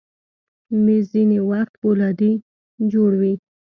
مېز ځینې وخت فولادي جوړ وي.